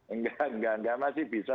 enggak enggak masih bisa